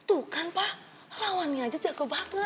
tuh kan pak lawannya aja jago banget